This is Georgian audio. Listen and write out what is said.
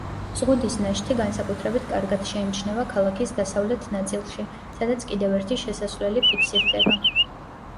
ზღუდის ნაშთი განსაკუთრებით კარგად შეიმჩნევა ქალაქის დასავლეთ ნაწილში, სადაც კიდევ ერთი შესასვლელი ფიქსირდება.